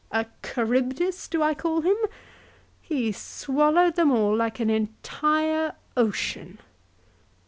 A Charybdis do I call him ? He swallowed them all like an entire ocean."